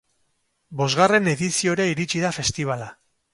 Bosgarren ediziora iritsi da festibala.